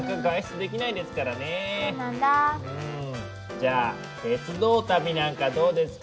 じゃあ鉄道旅なんかどうですか？